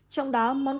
trong đó món cánh gạch